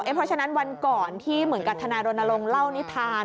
เพราะฉะนั้นวันก่อนที่เหมือนกับทนายรณรงค์เล่านิทาน